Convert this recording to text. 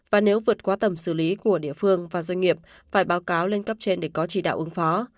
và nếu vượt qua tầm xử lý của địa phương và doanh nghiệp phải báo cáo lên cấp trên để có chỉ đạo ứng phó